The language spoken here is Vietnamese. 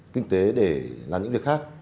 kinh tế để làm những việc khác